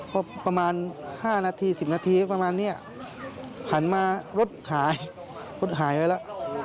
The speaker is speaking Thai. พอประมาณ๕นาที๑๐นาทีประมาณนี้หันมารถหายรถหายไว้แล้ว